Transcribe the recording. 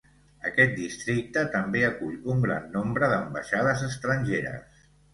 Aquest districte també acull un gran nombre d'ambaixades estrangeres.